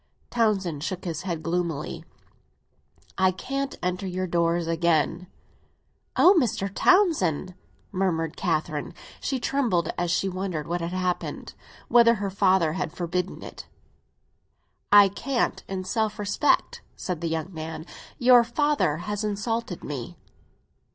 Townsend shook his head gloomily. "I can't enter your doors again!" "Oh, Mr. Townsend!" murmured Catherine. She trembled as she wondered what had happened, whether her father had forbidden it. "I can't in self respect," said the young man. "Your father has insulted me."